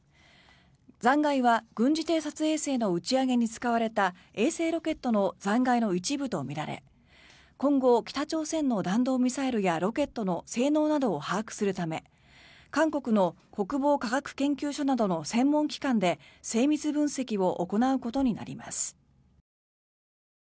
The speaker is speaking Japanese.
残骸は軍事偵察衛星の打ち上げに使われた衛星ロケットの残骸の一部とみられ今後、北朝鮮の弾道ミサイルやロケットの性能などを把握するため韓国の国防科学研究所などの専門機関で精密分析を行うことになります。